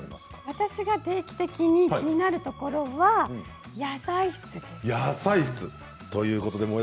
私が定期的に気になるところは野菜室です。